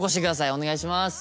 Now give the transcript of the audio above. お願いします。